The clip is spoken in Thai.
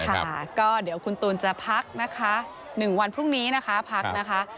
ค่ะก็เดี๋ยวคุณตูนจะพักนะคะ๑วันพรุ่งนี้นะคะพักนะคะ